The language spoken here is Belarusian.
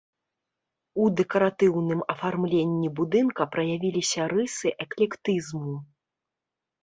У дэкаратыўным афармленні будынка праявіліся рысы эклектызму.